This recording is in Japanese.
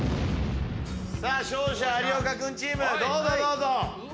さあ勝者有岡君チームどうぞどうぞ。